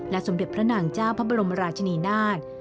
สมเด็จพระนางเจ้าพระบรมราชนีนาฏ